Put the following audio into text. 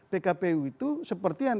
pkpu itu seperti yang